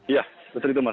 iya seperti itu mas